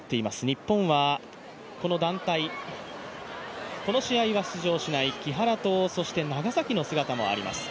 日本はこの団体、この試合は出場しない木原と長崎の姿もあります。